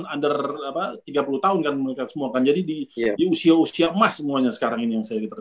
under tiga puluh tahun kan mereka semua jadi di usia usia emas semuanya sekarang ini